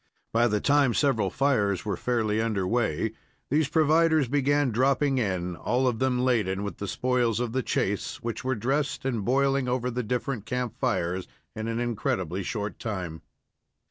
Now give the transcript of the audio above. By the time several fires were fairly under way, these providers began dropping in, all of them laden with spoils of the chase, which were dressed and boiling over the different camp fires in an incredibly short time.